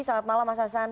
selamat malam mas hasan